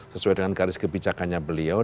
sesuai dengan garis kebijakannya beliau